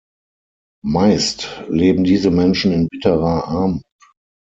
Meist leben diese Menschen in bitterer Armut.